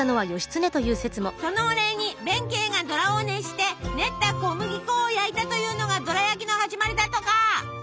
そのお礼に弁慶がどらを熱して練った小麦粉を焼いたというのがどら焼きの始まりだとか。